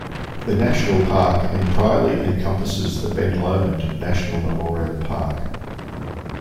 The national park entirely encompasses the Ben Lomond National Memorial Park.